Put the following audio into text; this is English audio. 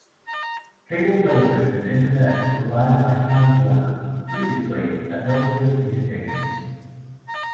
Cable television and Internet is provided by Time Warner, previously Adelphia Communications.